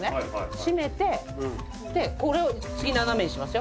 閉めてでこれを次斜めにしますよ